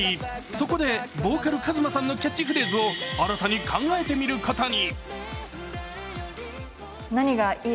そこでボーカル・壱馬さんのキャッチフレーズを新たに考えてみることに。